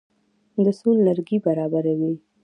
د سون لرګي برابروي.